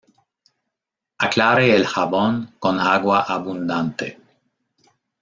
Aclare el jabón con agua abundante.